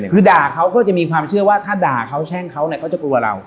คือด่าเขาก็จะมีความเชื่อว่าถ้าด่าเขาแช่งเขาก็จะกลัวเรา